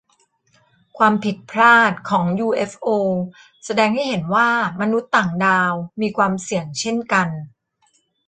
ความผิดพลาดของยูเอฟโอแสดงให้เห็นว่ามนุษย์ต่างดาวมีความเสี่ยงเช่นกัน